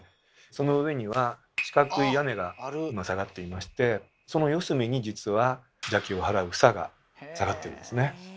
その上には四角い屋根が下がっていましてその四隅に実は邪気を払う房が下がってるんですね。